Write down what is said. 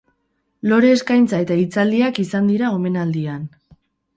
Lore eskaintza eta hitzaldiak izan dira omenaldian.